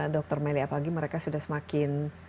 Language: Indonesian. dr melly apalagi mereka sudah semakin